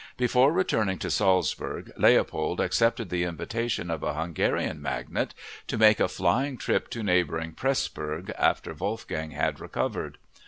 Before returning to Salzburg, Leopold accepted the invitation of a Hungarian magnate to make a flying trip to neighboring Pressburg after Wolfgang had recovered.